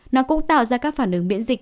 nó cũng tạo ra các phản ứng miễn dịch